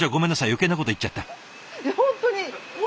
余計なこと言っちゃった。